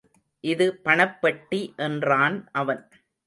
இது பணப்பெட்டி என்றான் அவன்.